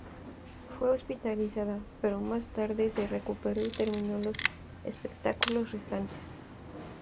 Fue hospitalizada, pero más tarde se recuperó y terminó los espectáculos restantes.